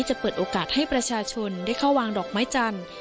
จะเปิดโอกาสให้ประชาชนได้เข้าวางดอกไม้จันทร์